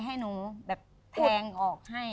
ให้หนูแบบแทงออกให้